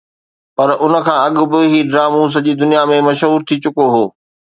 پر ان کان اڳ به هي ڊرامو سڄي دنيا ۾ مشهور ٿي چڪو هو